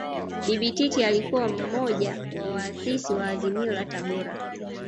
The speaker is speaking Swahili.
Bibi Titi alikuwa mmoja wa waasisi wa Azimio la Tabora